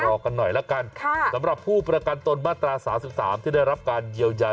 กันหน่อยละกันสำหรับผู้ประกันตนมาตรา๓๓ที่ได้รับการเยียวยา